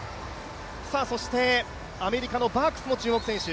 そしてアメリカのバークスも注目選手。